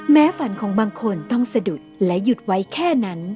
ฝันของบางคนต้องสะดุดและหยุดไว้แค่นั้น